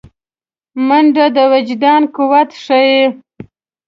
منډه د وجدان قوت ښيي